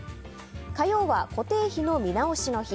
火曜は固定費の見直しの日。